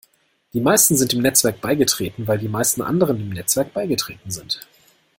Die meisten sind dem Netzwerk beigetreten, weil die meisten anderen dem Netzwerk beigetreten sind.